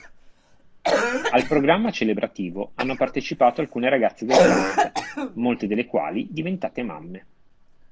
Al programma celebrativo hanno partecipato alcune ragazze del cast, molte delle quali diventate mamme.